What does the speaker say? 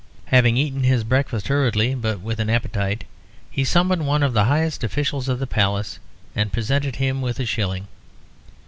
Having eaten his breakfast hurriedly, but with an appetite, he summoned one of the highest officials of the Palace, and presented him with a shilling.